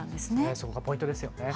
そこがポイントですよね。